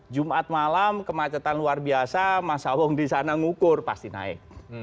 jumat malam kemacetan luar biasa mas sawong di sana ngukur pasti naik